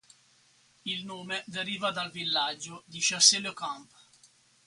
Il nome deriva del villaggio di Chassey-le-Camp.